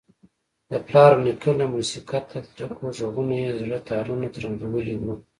د پلار ونیکه له موسیقیته ډکو غږونو یې د زړه تارونه ترنګولي وو.